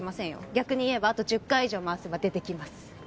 逆に言えばあと１０回以上回せば出てきます